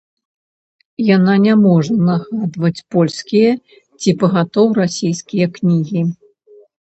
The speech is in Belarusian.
Яна не можа нагадваць польскія ці пагатоў расійскія кнігі.